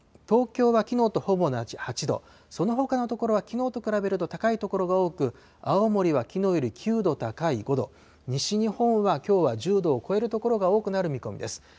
東京はきのうとほぼ同じ８度、そのほかの所はきのうと比べると高い所が多く、青森はきのうより９度高い５度、西日本はきょうは１０度を超える所が多くなる見込みです。